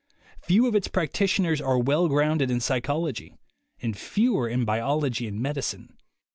Few of its practitioners are well grounded in psychology, and fewer in biology and medicine.